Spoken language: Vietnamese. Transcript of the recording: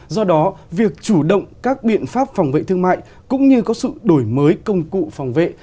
do đó việc chủ động các biện pháp phòng vệ thương mại cũng như có sự đổi mới công cụ phòng vệ